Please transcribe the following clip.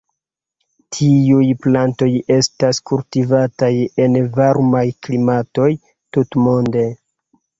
Tiuj plantoj estas kultivataj en varmaj klimatoj tutmonde.